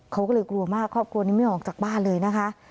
เขาก็เลยกลัวมากครอบครัวนี้ไม่ออกจากบ้านเลยนะคะ